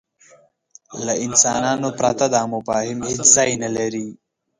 له انسانانو پرته دا مفاهیم هېڅ ځای نهلري.